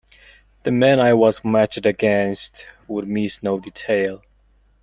The men I was matched against would miss no detail.